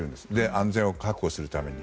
安全を確保するために。